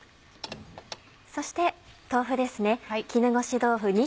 そして豆腐です。